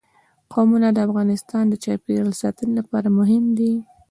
قومونه د افغانستان د چاپیریال ساتنې لپاره مهم دي.